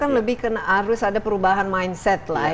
ada perubahan mindset